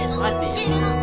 着けるの！